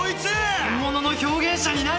本物の表現者になる。